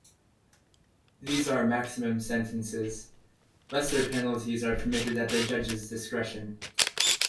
These are maximum sentences; lesser penalties are permitted at the judge's discretion.